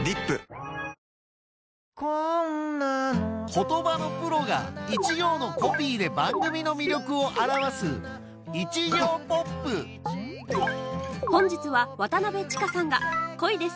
言葉のプロが一行のコピーで番組の魅力を表す本日は渡千佳さんが『恋です！